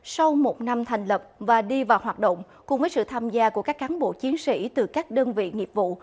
sau một năm thành lập và đi vào hoạt động cùng với sự tham gia của các cán bộ chiến sĩ từ các đơn vị nghiệp vụ